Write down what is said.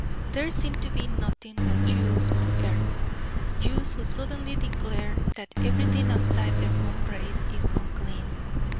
There seem to be nothing but Jews on earth Jews who suddenly declare that everything outside their own race is unclean.